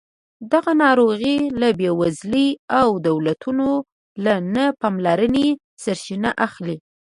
دغه ناروغۍ له بېوزلۍ او دولتونو له نه پاملرنې سرچینه اخلي.